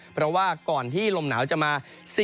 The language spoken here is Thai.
เพราะว่าก่อนที่ลมหนาวจะมา